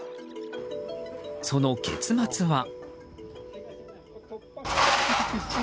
その結末は。